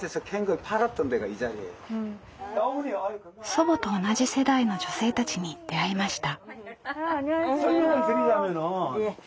祖母と同じ世代の女性たちに出会いました。